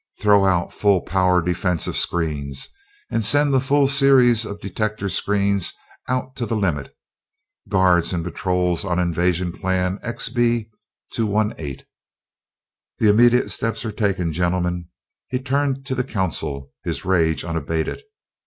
Throw out full power defensive screens, and send the full series of detector screens out to the limit! Guards and patrols on invasion plan XB 218!" "The immediate steps are taken, gentlemen!" He turned to the Council, his rage unabated.